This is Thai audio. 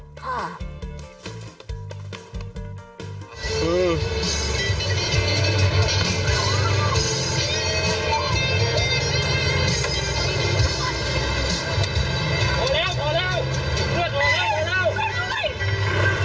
ค่ะ